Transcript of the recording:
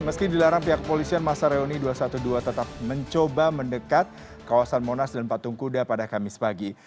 meski dilarang pihak polisian masa reuni dua ratus dua belas tetap mencoba mendekat kawasan monas dan patung kuda pada kamis pagi